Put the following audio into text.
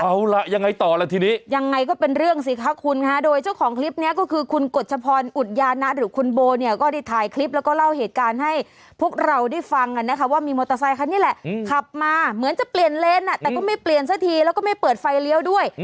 เอาล่ะยังไงต่อล่ะทีนี้ยังไงก็เป็นเรื่องสิคะคุณค่ะโดยเจ้าของคลิปนี้ก็คือคุณกฎชพรอุดยานะหรือคุณโบเนี่ยก็ได้ถ่ายคลิปแล้วก็เล่าเหตุการณ์ให้พวกเราได้ฟังกันนะคะว่ามีมอเตอร์ไซคันนี้แหละขับมาเหมือนจะเปลี่ยนเลนแต่ก็ไม่เปลี่ยนซะทีแล้วก็ไม่เปิดไฟเลี้ยวด้วย